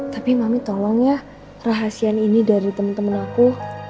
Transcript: tapi mami tolong ya rahasian ini dari temen temen aku